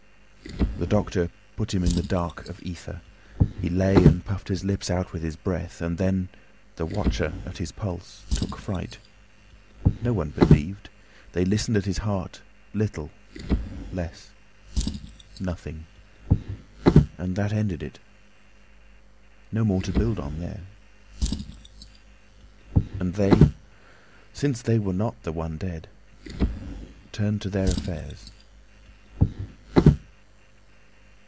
The doctor put him in the dark of ether. He lay and puffed his lips out with his breath. And then—the watcher at his pulse took fright.No one believed. They listened at his heart. Little—less—nothing!—and that ended it.No more to build on there. And they, since theyWere not the one dead, turned to their affairs.